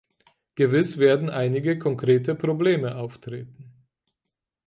Gewiss werden einige konkrete Probleme auftreten.